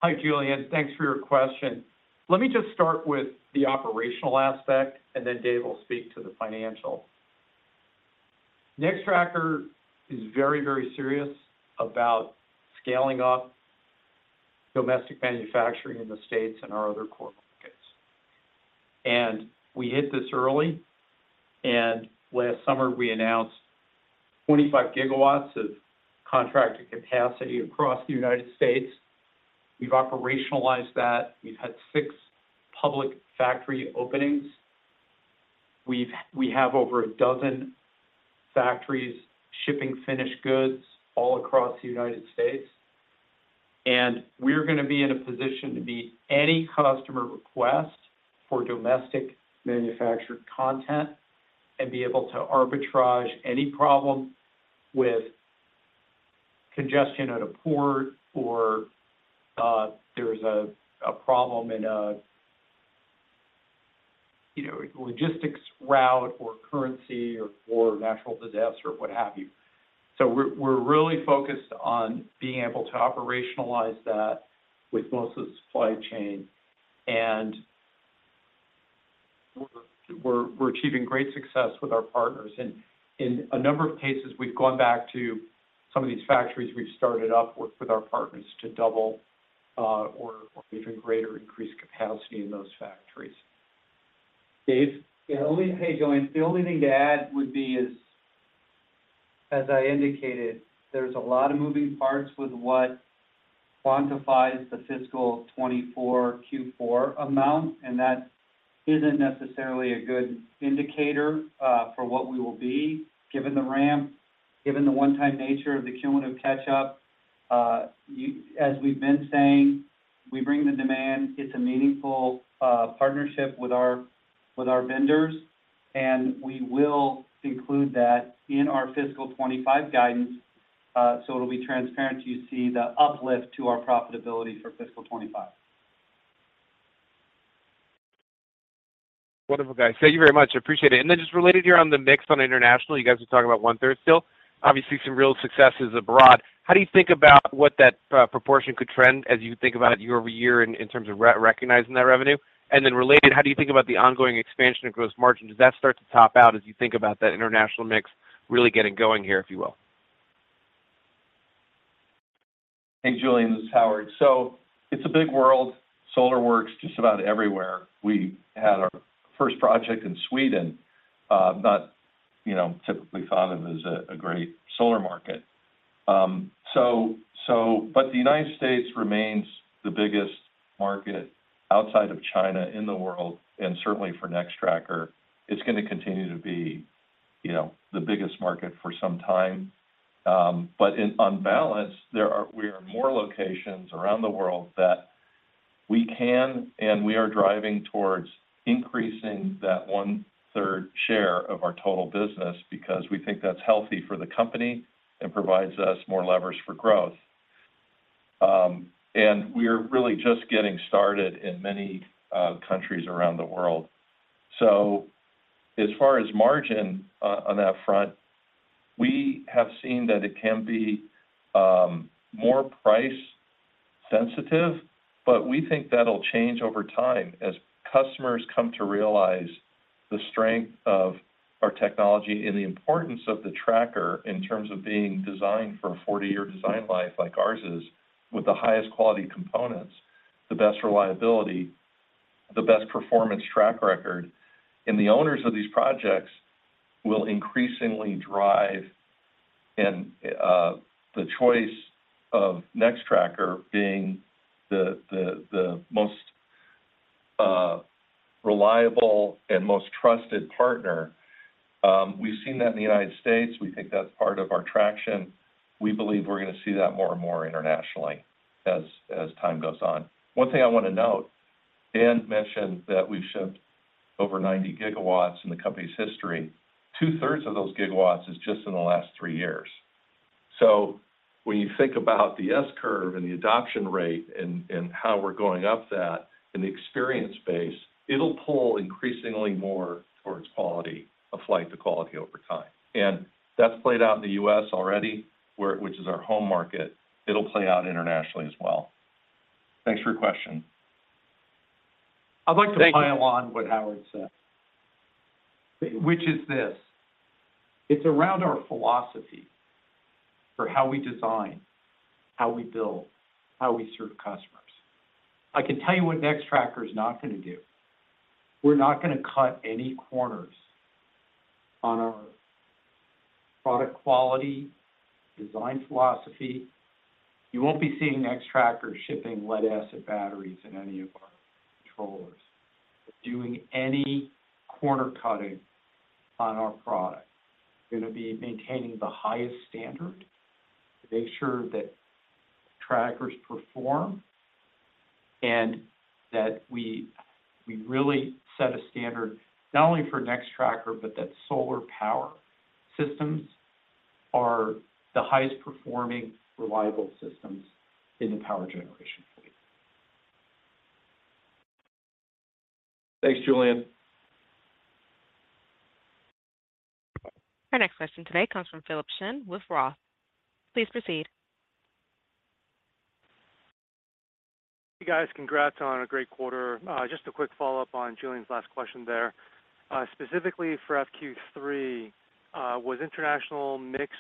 Hi, Julien. Thanks for your question. Let me just start with the operational aspect, and then Dave will speak to the financial. Nextracker is very, very serious about scaling up domestic manufacturing in the States and our other core markets. We hit this early, and last summer we announced 25 GW of contracted capacity across the United States. We've operationalized that. We've had six public factory openings. We have over a dozen factories shipping finished goods all across the United States, and we're gonna be in a position to meet any customer request for domestic manufactured content and be able to arbitrage any problem with congestion at a port or there is a problem in a you know logistics route or currency or national disaster or what have you. So we're really focused on being able to operationalize that with most of the supply chain, and we're achieving great success with our partners. In a number of cases, we've gone back to some of these factories we've started up with our partners to double, or even greater increase capacity in those factories. Dave? Yeah. Only-- Hey, Julien. The only thing to add would be is, as I indicated, there's a lot of moving parts with what quantifies the fiscal 2024 Q4 amount, and that isn't necessarily a good indicator, for what we will be, given the ramp, given the one-time nature of the cumulative catch-up. You-- as we've been saying, we bring the demand, it's a meaningful, partnership with our, with our vendors, and we will include that in our fiscal 2025 guidance. So it'll be transparent to you see the uplift to our profitability for fiscal 2025. Wonderful, guys. Thank you very much. I appreciate it. And then just related here on the mix on international, you guys were talking about one-third still, obviously some real successes abroad. How do you think about what that proportion could trend as you think about it year over year in terms of re-recognizing that revenue? And then related, how do you think about the ongoing expansion of gross margin? Does that start to top out as you think about that international mix really getting going here, if you will? Hey, Julien, this is Howard. So it's a big world. Solar works just about everywhere. We had our first project in Sweden, not, you know, typically thought of as a great solar market. But the United States remains the biggest market outside of China in the world, and certainly for Nextracker, it's going to continue to be, you know, the biggest market for some time. But on balance, there are more locations around the world that we can, and we are driving towards increasing that one-third share of our total business because we think that's healthy for the company and provides us more leverage for growth. And we are really just getting started in many countries around the world. So as far as margin on that front, we have seen that it can be more price-sensitive, but we think that'll change over time as customers come to realize the strength of our technology and the importance of the tracker in terms of being designed for a 40-year design life like ours is, with the highest quality components, the best reliability, the best performance track record. And the owners of these projects will increasingly drive the choice of Nextracker being the most reliable and most trusted partner. We've seen that in the United States. We think that's part of our traction. We believe we're going to see that more and more internationally as time goes on. One thing I want to note, Dan mentioned that we've shipped over 90 GW in the company's history. Two-thirds of those gigawatts is just in the last three years. So when you think about the S-curve and the adoption rate and how we're going up that in the experience base, it'll pull increasingly more towards quality, a flight to quality over time. And that's played out in the U.S. already, where, which is our home market. It'll play out internationally as well. Thanks for your question. I'd like to pile on. Thank you. What Howard said, which is this: It's around our philosophy for how we design, how we build, how we serve customers. I can tell you what Nextracker is not going to do. We're not going to cut any corners on our product quality, design philosophy. You won't be seeing Nextracker shipping lead-acid batteries in any of our controllers, doing any corner cutting on our product. We're going to be maintaining the highest standard to make sure that trackers perform, and that we really set a standard not only for Nextracker, but that solar power systems are the highest performing reliable systems in the power generation fleet. Thanks, Julien. Our next question today comes from Philip Shen with Roth. Please proceed. Hey, guys, congrats on a great quarter. Just a quick follow-up on Julien's last question there. Specifically for FQ 3, was international mix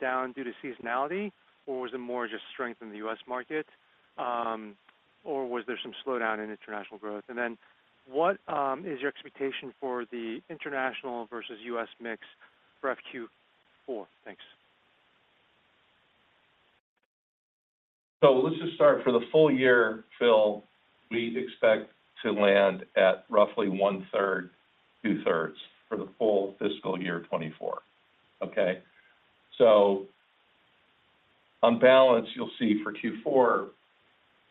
down due to seasonality, or was it more just strength in the U.S. market? Or was there some slowdown in international growth? And then what is your expectation for the international versus U.S. mix for FQ 4? Thanks. So let's just start for the full year, Phil. We expect to land at roughly 1/3, 2/3 for the full fiscal year 2024. Okay? So on balance, you'll see for Q4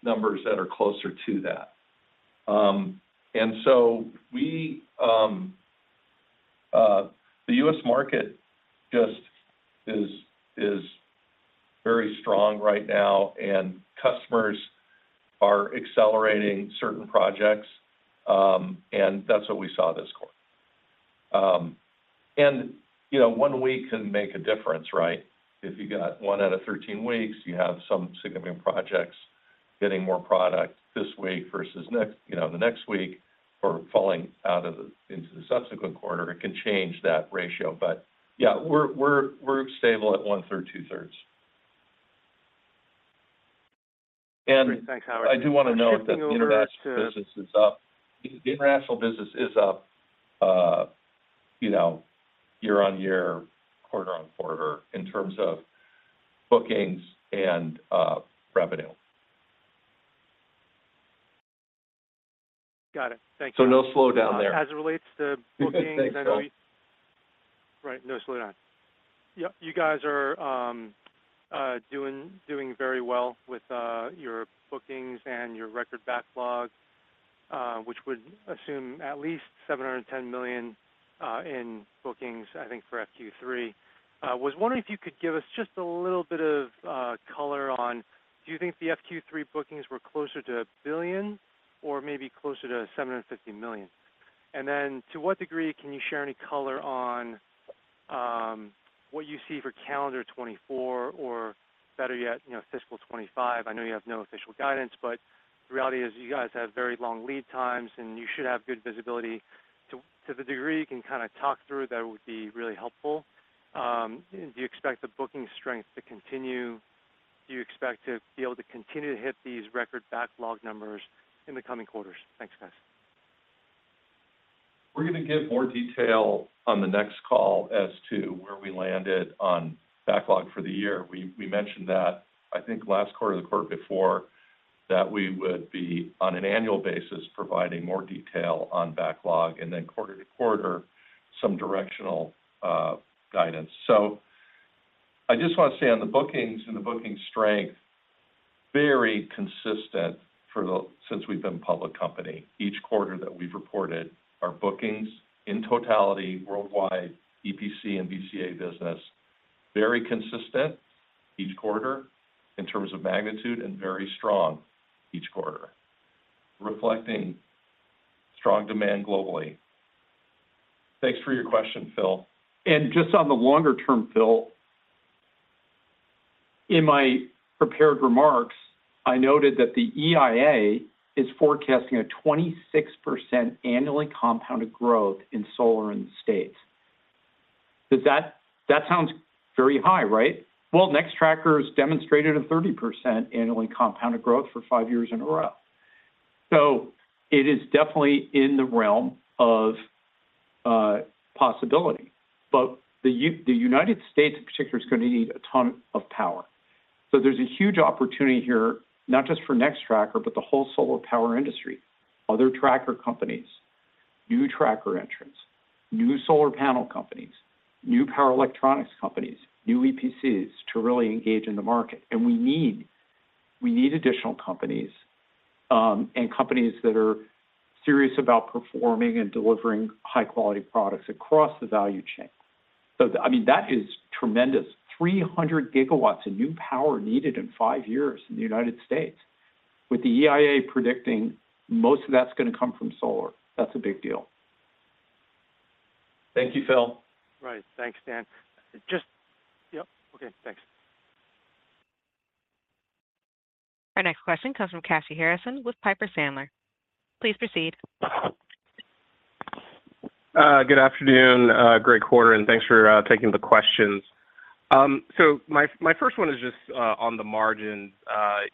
numbers that are closer to that. So we, the U.S. market just is very strong right now, and customers are accelerating certain projects. And that's what we saw this quarter. And, you know, one week can make a difference, right? If you got one out of 13 weeks, you have some significant projects getting more product this week versus next, you know, the next week or falling out into the subsequent quarter, it can change that ratio. But yeah, we're stable at 1/3, 2/3. And- Great. Thanks, Howard. I do want to note that the international business is up. The international business is up, you know, year-over-year, quarter-over-quarter in terms of bookings and revenue. Got it. Thank you. No slowdown there. As it relates to bookings, I know you- Thanks, Phil. Right, no slowdown. Yep, you guys are doing very well with your bookings and your record backlog, which would assume at least $710 million in bookings, I think, for FQ3. Was wondering if you could give us just a little bit of color on, do you think the FQ3 bookings were closer to $1 billion or maybe closer to $750 million? And then, to what degree can you share any color on what you see for calendar 2024, or better yet, you know, fiscal 2025? I know you have no official guidance, but the reality is you guys have very long lead times, and you should have good visibility. To the degree you can kinda talk through, that would be really helpful. Do you expect the booking strength to continue? Do you expect to be able to continue to hit these record backlog numbers in the coming quarters? Thanks, guys. We're going to give more detail on the next call as to where we landed on backlog for the year. We mentioned that, I think last quarter or the quarter before, that we would be, on an annual basis, providing more detail on backlog and then quarter to quarter, some directional guidance. So I just want to say on the bookings and the booking strength, very consistent since we've been a public company. Each quarter that we've reported our bookings in totality worldwide, EPC and DG business, very consistent each quarter in terms of magnitude and very strong each quarter, reflecting strong demand globally. Thanks for your question, Phil. Just on the longer term, Phil, in my prepared remarks, I noted that the EIA is forecasting a 26% annually compounded growth in solar in the States. Does that? That sounds very high, right? Well, Nextracker has demonstrated a 30% annually compounded growth for five years in a row. So it is definitely in the realm of possibility. But the United States, in particular, is going to need a ton of power. So there's a huge opportunity here, not just for Nextracker, but the whole solar power industry, other tracker companies, new tracker entrants, new solar panel companies, new power electronics companies, new EPCs to really engage in the market. And we need additional companies, and companies that are serious about performing and delivering high-quality products across the value chain. So, I mean, that is tremendous. 300 GW of new power needed in five years in the United States, with the EIA predicting most of that's going to come from solar. That's a big deal. Thank you, Phil. Right. Thanks, Dan. Just... Yep. Okay, thanks. Our next question comes from Kashy Harrison with Piper Sandler. Please proceed. Good afternoon. Great quarter, and thanks for taking the questions. So my first one is just on the margins.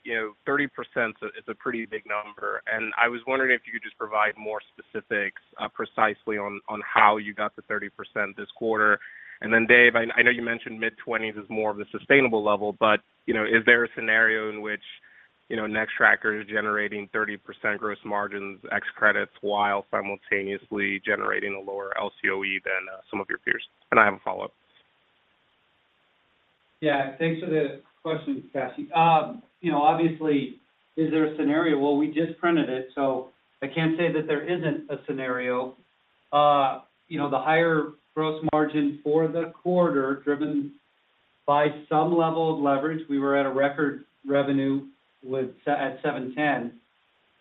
You know, 30% is a pretty big number, and I was wondering if you could just provide more specifics precisely on how you got to 30% this quarter. And then, Dave, I know you mentioned mid-20s is more of the sustainable level, but you know, is there a scenario in which Nextracker is generating 30% gross margins, ex credits, while simultaneously generating a lower LCOE than some of your peers? And I have a follow-up. Yeah. Thanks for the question, Kashy. You know, obviously, is there a scenario? Well, we just printed it, so I can't say that there isn't a scenario. You know, the higher gross margin for the quarter, driven by some level of leverage, we were at a record revenue at $710 million.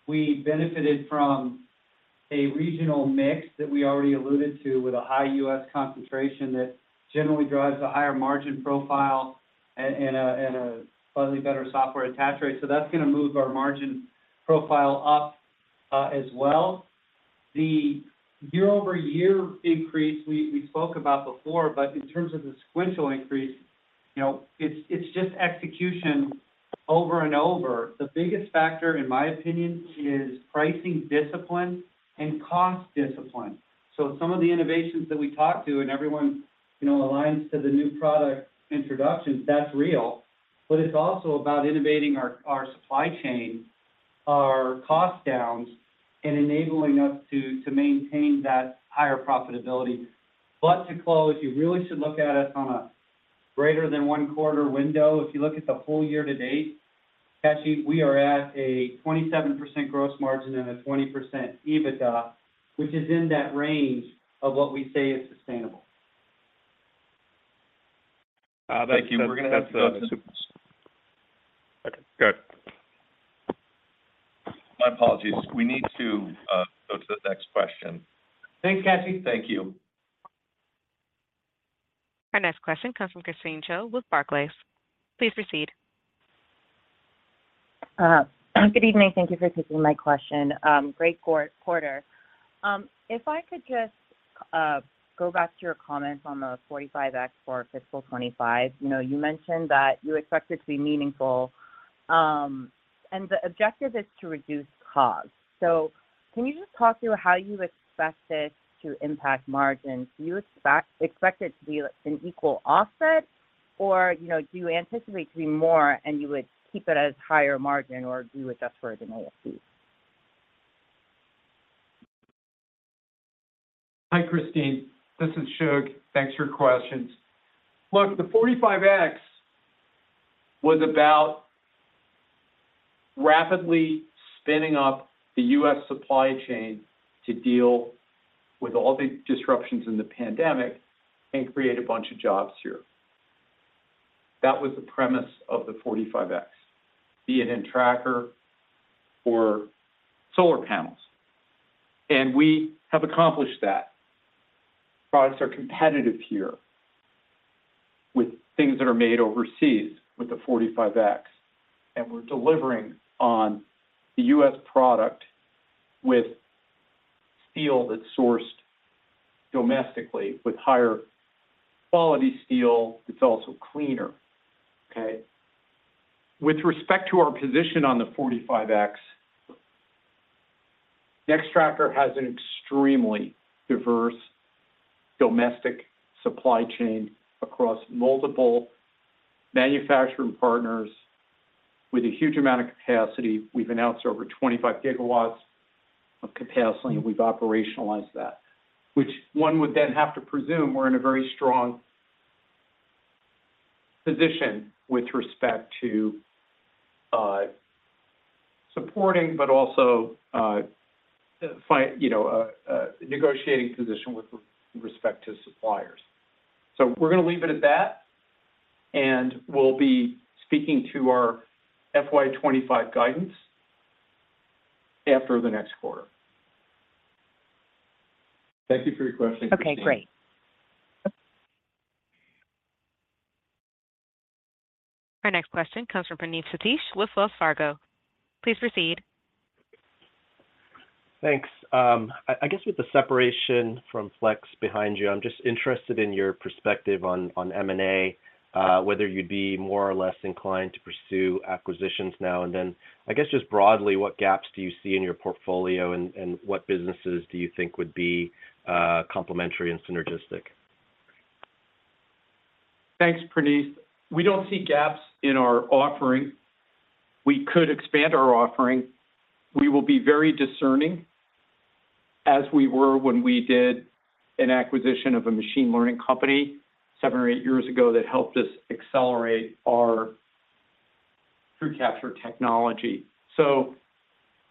We benefited from a regional mix that we already alluded to with a high U.S. concentration that generally drives a higher margin profile and a and a slightly better software attach rate. So that's going to move our margin profile up as well. The year-over-year increase, we spoke about before, but in terms of the sequential increase, you know, it's just execution over and over. The biggest factor, in my opinion, is pricing discipline and cost discipline. So some of the innovations that we talked to, and everyone, you know, aligns to the new product introductions, that's real, but it's also about innovating our supply chain, our cost downs, and enabling us to maintain that higher profitability. But to close, you really should look at us on a greater than one-quarter window. If you look at the full year to date, Kashy, we are at a 27% gross margin and a 20% EBITDA, which is in that range of what we say is sustainable. Thank you. We're going to have to- That's super... Okay, go ahead. My apologies. We need to go to the next question. Thanks, Kashy. Thank you. Our next question comes from Christine Cho with Barclays. Please proceed. Good evening. Thank you for taking my question. Great quarter. If I could just go back to your comments on the 45X for fiscal 2025. You know, you mentioned that you expect it to be meaningful... and the objective is to reduce costs. So can you just talk through how you expect this to impact margins? Do you expect it to be, like, an equal offset, or, you know, do you anticipate it to be more, and you would keep it as higher margin or do adjust for it in ASP? Hi, Christine. This is Shugar. Thanks for your questions. Look, the 45X was about rapidly spinning up the U.S. supply chain to deal with all the disruptions in the pandemic and create a bunch of jobs here. That was the premise of the 45X, be it in Tracker or solar panels. And we have accomplished that. Products are competitive here with things that are made overseas with the 45X, and we're delivering on the U.S. product with steel that's sourced domestically, with higher quality steel that's also cleaner. Okay? With respect to our position on the 45X, Nextracker has an extremely diverse domestic supply chain across multiple manufacturing partners with a huge amount of capacity. We've announced over 25 GW of capacity, and we've operationalized that. Which one would then have to presume we're in a very strong position with respect to, supporting, but also, you know, negotiating position with respect to suppliers. So we're gonna leave it at that, and we'll be speaking to our FY 25 guidance after the next quarter. Thank you for your question, Christine. Okay, great. Our next question comes from Praneeth Satish with Wells Fargo. Please proceed. Thanks. I guess with the separation from Flex behind you, I'm just interested in your perspective on M&A, whether you'd be more or less inclined to pursue acquisitions now and then. I guess just broadly, what gaps do you see in your portfolio, and what businesses do you think would be complementary and synergistic? Thanks, Praneeth. We don't see gaps in our offering. We could expand our offering. We will be very discerning, as we were when we did an acquisition of a machine learning company seven or eight years ago that helped us accelerate our TrueCapture technology. So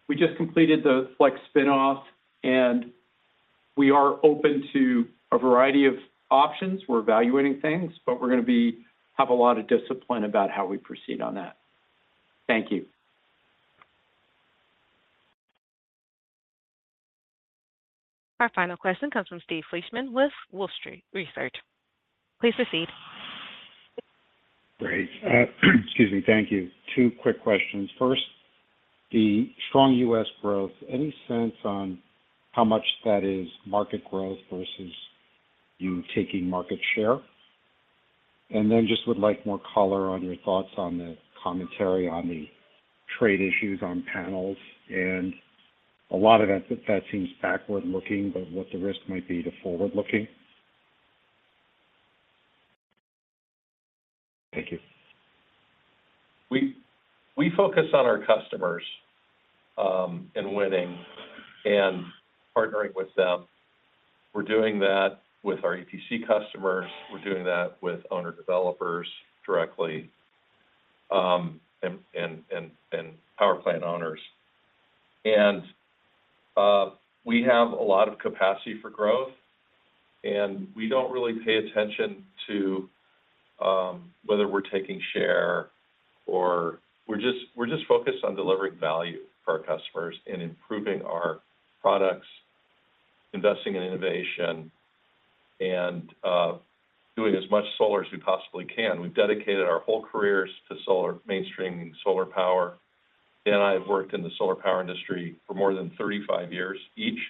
we just completed the Flex spin-off, and we are open to a variety of options. We're evaluating things, but we're gonna have a lot of discipline about how we proceed on that. Thank you. Our final question comes from Steve Fleishman with Wolfe Research. Please proceed. Great. Excuse me. Thank you. Two quick questions. First, the strong U.S. growth, any sense on how much that is market growth versus you taking market share? And then just would like more color on your thoughts on the commentary on the trade issues on panels, and a lot of that, that seems backward-looking, but what the risk might be to forward-looking? Thank you. We focus on our customers and winning and partnering with them. We're doing that with our EPC customers. We're doing that with owner-developers directly, and power plant owners. And we have a lot of capacity for growth, and we don't really pay attention to whether we're taking share or. We're just focused on delivering value for our customers and improving our products, investing in innovation, and doing as much solar as we possibly can. We've dedicated our whole careers to solar, mainstreaming solar power, and I have worked in the solar power industry for more than 35 years each,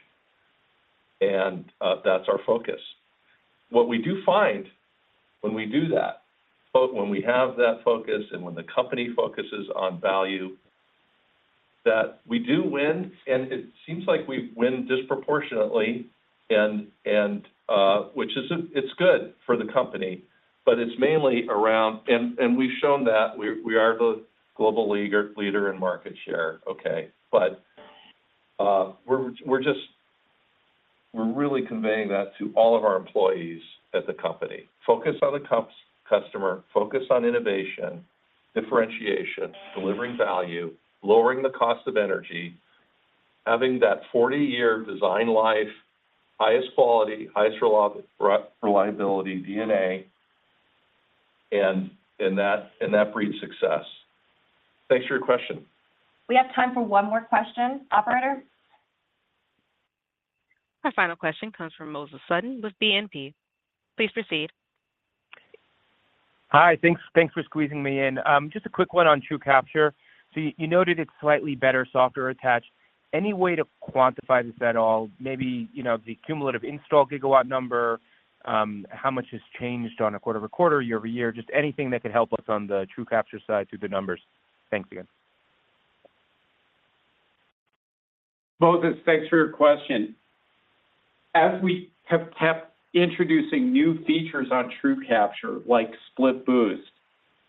and that's our focus. What we do find when we do that, when we have that focus and when the company focuses on value, that we do win, and it seems like we win disproportionately, and, which is, it's good for the company, but it's mainly around-- And we've shown that we are the global leader in market share, okay? But, we're just-- We're really conveying that to all of our employees at the company. Focus on the customer, focus on innovation, differentiation, delivering value, lowering the cost of energy, having that 40-year design life, highest quality, highest reliability, DNA, and that breeds success. Thanks for your question. We have time for one more question. Operator? Our final question comes from Moses Sutton with BNP. Please proceed. Hi. Thanks, thanks for squeezing me in. Just a quick one on TrueCapture. So you noted it's slightly better, software attach. Any way to quantify this at all? Maybe, you know, the cumulative install gigawatt number, how much has changed on a quarter-over-quarter, year-over-year? Just anything that could help us on the TrueCapture side through the numbers. Thanks again. Moses, thanks for your question. As we have kept introducing new features on TrueCapture, like Split Boost,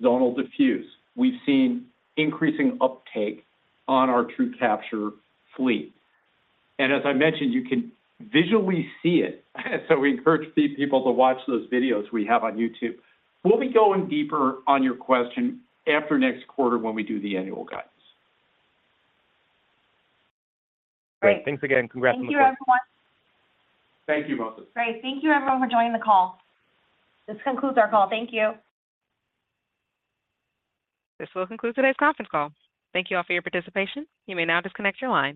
Zonal Diffuse, we've seen increasing uptake on our TrueCapture fleet. And as I mentioned, you can visually see it, so we encourage these people to watch those videos we have on YouTube. We'll be going deeper on your question after next quarter when we do the annual guidance. Great. Thanks again. Congrats on the- Thank you, everyone. Thank you, Moses. Great. Thank you, everyone, for joining the call. This concludes our call. Thank you. This will conclude today's conference call. Thank you all for your participation. You may now disconnect your line.